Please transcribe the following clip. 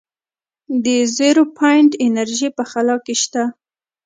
د زیرو پاینټ انرژي په خلا کې شته.